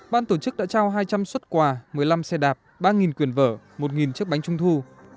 ban tổ chức đã trao hai trăm linh xuất quà một mươi năm xe đạp ba quyền vở một chiếc bánh trung thu